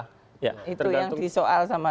itu yang disoal sama